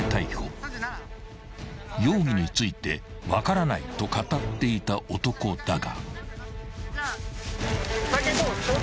［容疑について「分からない」と語っていた男だが］